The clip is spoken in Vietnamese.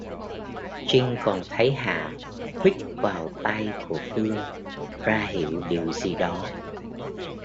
Trinh còn thấy Hạ huých vào tay của Phương ra hiệu điều gì đó